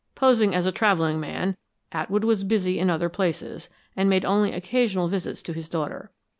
Posing as a traveling man, Atwood was busy in other places, and made only occasional visits to his daughter.